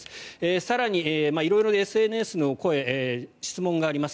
更に、色々ＳＮＳの声質問があります。